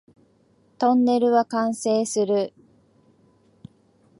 トンネルは完成する